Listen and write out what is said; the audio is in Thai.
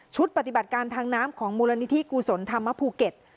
ปฏิบัติการทางน้ำของมูลนิธิกุศลธรรมภูเก็ต